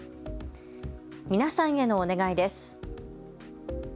皆さんへのお願いです。